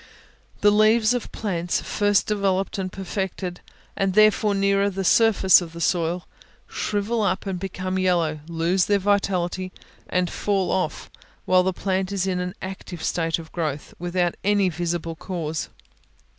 The leaves of plants first developed and perfected, and therefore nearer the surface of the soil, shrivel up and become yellow, lose their vitality, and fall off while the plant is in an active state of growth, without any visible cause.